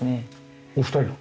お二人の？